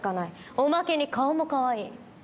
おまけに顔もかわいい。